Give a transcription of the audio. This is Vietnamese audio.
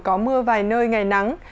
có mưa vài nơi ngày nắng